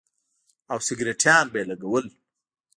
او سگرټيان به يې لگول.